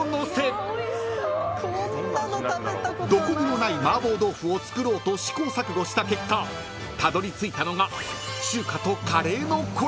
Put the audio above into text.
［どこにもない麻婆豆腐を作ろうと試行錯誤した結果たどり着いたのが］